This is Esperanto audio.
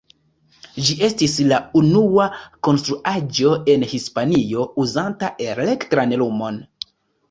Ĝi estis la unua konstruaĵo en Hispanio uzanta elektran lumon.